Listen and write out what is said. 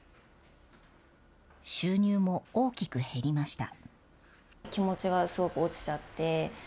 収入も大きく減りました。